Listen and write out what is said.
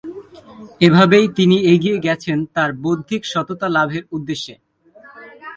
এভাবেই তিনি এগিয়ে গেছেন তার বৌদ্ধিক সততা লাভের উদ্দেশ্যে।